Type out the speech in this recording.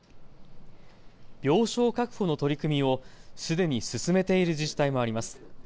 病床確保の取り組みをすでに進めている自治体もあります。